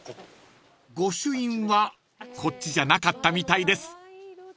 ［御朱印はこっちじゃなかったみたいです］